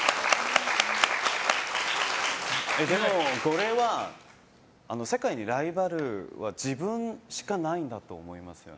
でも、これは世界にライバルは自分しかいないんだと思います。